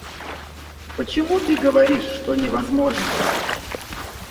Почему ты говоришь, что невозможно?